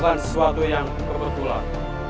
bukan sesuatu yang kebetulan